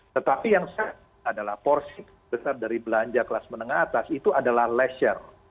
tetapi yang satu adalah porsi besar dari belanja kelas menengah atas itu adalah leisure